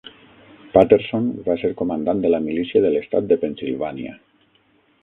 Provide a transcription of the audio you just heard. Patterson va ser comandant de la milícia de l'estat de Pennsilvània.